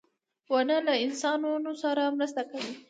• ونه له انسانانو سره مرسته کوي.